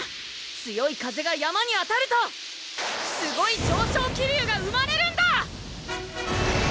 強い風が山に当たるとすごい上昇気流が生まれるんだ！